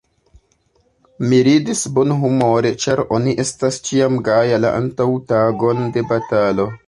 Mi ridis bonhumore, ĉar oni estas ĉiam gaja, la antaŭtagon de batalo.